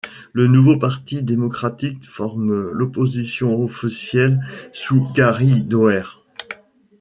Le Nouveau Parti démocratique forme l'opposition officielle sous Gary Doer.